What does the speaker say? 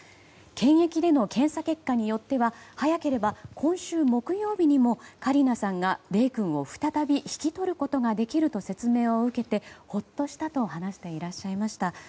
検疫での検査結果によっては早ければ今週木曜日にもカリナさんがレイ君を再び引き取ることができると説明を受けてほっとしたと話していらっしゃいました。